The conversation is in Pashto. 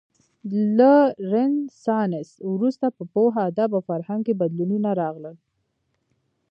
له رنسانس وروسته په پوهه، ادب او فرهنګ کې بدلونونه راغلل.